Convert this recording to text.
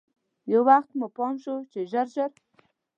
یو وخت مې پام شو چې ژر ژر.